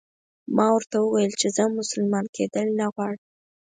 ما ورته وویل چې زه مسلمان کېدل نه غواړم.